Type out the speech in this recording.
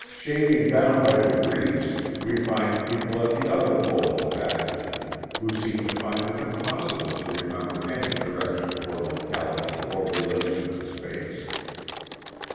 Shading down by degrees we find people at the other pole of the faculty who seem to find it impossible to remember any direction, or locality or relation in space.